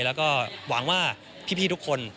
แล้วก็หวังว่าพี่ทุกคน